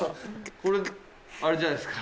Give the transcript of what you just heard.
これ、あれじゃないですか。